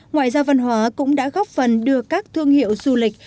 ngoại giao văn hóa cũng đã góp phần đưa các thương hiệu du lịch